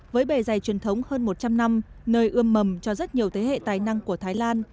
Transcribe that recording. với bề dày truyền thống hơn một trăm linh năm nơi ươm mầm cho rất nhiều thế hệ tài năng của thái lan